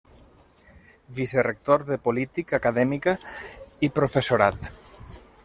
Vicerector de Polític Acadèmica i Professorat.